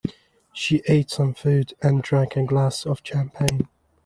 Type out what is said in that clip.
She ate some food and drank a glass of champagne.